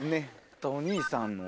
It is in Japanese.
お兄さんの。